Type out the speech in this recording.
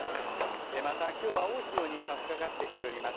また、きょうは大潮にさしかかってきております。